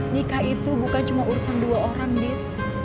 nikah itu bukan cuma urusan dua orang dit